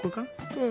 うん。